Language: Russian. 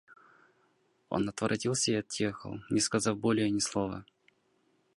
Он отворотился и отъехал, не сказав более ни слова.